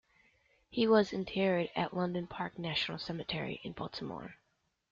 He was interred at Loudon Park National Cemetery in Baltimore.